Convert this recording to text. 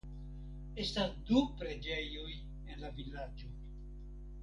Estas du preĝejoj en la vilaĝo.